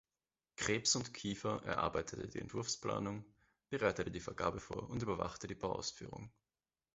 Krebs und Kiefer erarbeitete die Entwurfsplanung, bereitete die Vergabe vor und überwachte die Bauausführung.